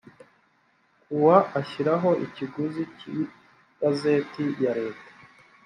kuwa ashyiraho ikiguzi cy igazeti ya leta